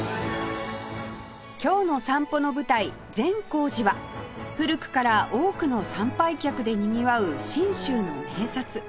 今日の散歩の舞台善光寺は古くから多くの参拝客でにぎわう信州の名刹